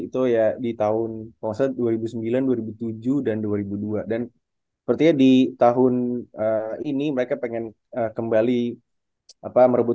itu ya di tahun kalau saya dua ribu sembilan dua ribu tujuh dan dua ribu dua dan sepertinya di tahun ini mereka pengen kembali apa merebut